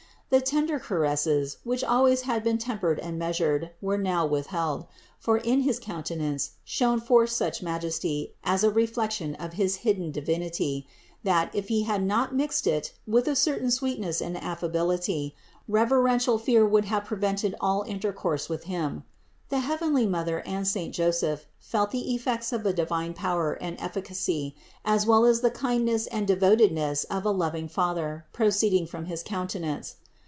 The tender caresses, which always had been tempered and measured, were now withheld, for in his countenance shone forth such majesty as a reflection of his hidden Deity, that, if He had not mixed it with a certain sweetness and affability, reveren tial fear would have prevented all intercourse with Him, The heavenly Mother and saint Joseph felt the effects of a divine power and efficacy, as well as the kindness and devotedness of a loving Father, proceeding from his countenance.